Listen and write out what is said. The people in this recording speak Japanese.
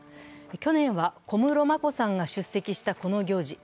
去年は小室眞子さんが出席したこの行事。